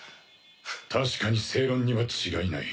確かに正論には違いない。